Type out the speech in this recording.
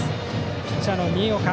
ピッチャーの新岡。